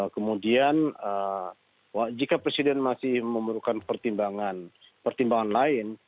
kemudian jika presiden masih memerlukan pertimbangan lain